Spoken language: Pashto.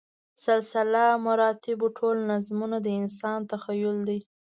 سلسله مراتبو ټول نظمونه د انسان تخیل دی.